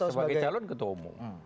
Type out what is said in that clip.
sebagai calon ketua umum